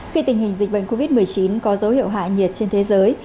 khi tình hình dịch bệnh covid một mươi chín có dấu hiệu hạ nhiệt trên thế giới